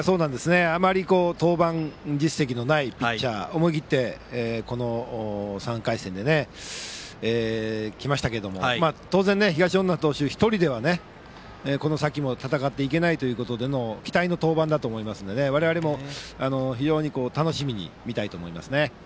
あまり登板実績のないピッチャーを思い切ってこの３回戦に来ましたけれども当然、東恩納投手１人ではこの先戦っていけないということでの期待の登板だと思いますので我々も非常に楽しみに見たいと思います。